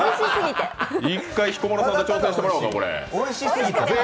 一回、彦摩呂さんと挑戦してもらおうか。